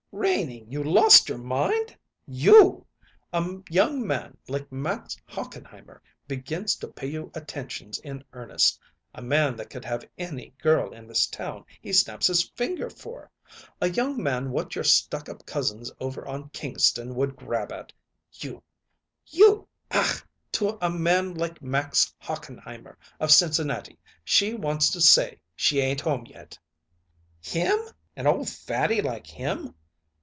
"Renie, you lost your mind? You! A young man like Max Hochenheimer begins to pay you attentions in earnest a man that could have any girl in this town he snaps his finger for a young man what your stuck up cousins over on Kingston would grab at! You you Ach, to a man like Max Hochenheimer, of Cincinnati, she wants to say she ain't home yet!" "Him! An old fatty like him!